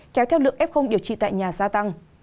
kéo theo lượng f điều trị tại nhà gia tăng